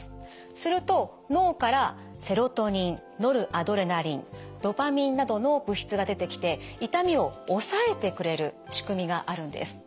すると脳からセロトニンノルアドレナリンドパミンなどの物質が出てきて痛みを抑えてくれる仕組みがあるんです。